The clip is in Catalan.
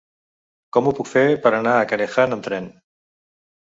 Com ho puc fer per anar a Canejan amb tren?